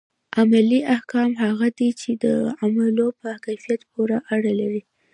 عملي احکام هغه دي چي د عملونو په کيفيت پوري اړه لري.